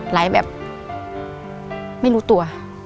แบบไม่รู้ตัว